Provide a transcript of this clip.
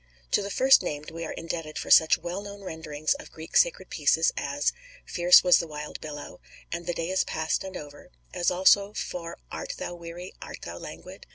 To the first named we are indebted for such well known renderings of Greek sacred pieces as "Fierce was the wild billow," and, "The day is past and over," as also for "Art thou weary, art thou languid?"